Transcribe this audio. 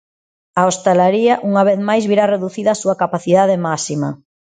A hostalaría, unha vez máis virá reducida a súa capacidade máxima.